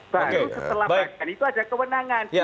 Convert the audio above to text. baru setelah pn itu ada kewenangan